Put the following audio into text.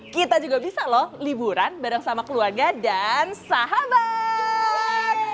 kita juga bisa loh liburan bareng sama keluarga dan sahabat